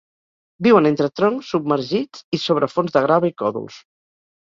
Viuen entre troncs submergits i sobre fons de grava i còdols.